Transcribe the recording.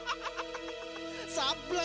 janganlah kau berguna